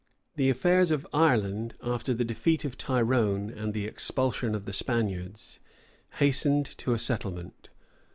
The affairs of Ireland, after the defeat of Tyrone and the expulsion of the Spaniards, hastened to a settlement.